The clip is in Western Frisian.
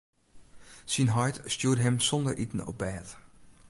Syn heit stjoerde him sonder iten op bêd.